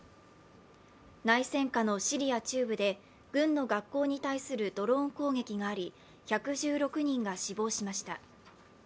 内戦下のシリア中部で軍の学校に対するドローン攻撃があり１１６人が死亡しました。